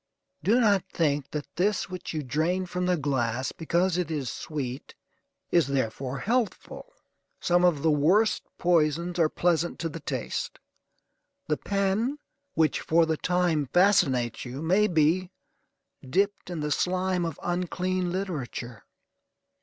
Do not think that this which you drain from the glass, because it is sweet, is therefore healthful: some of the worst poisons are pleasant to the taste. The pen which for the time fascinates you may be dipped in the slime of unclean literature.